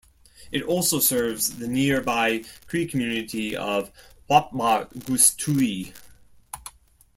It also serves the nearby Cree community of Whapmagoostui.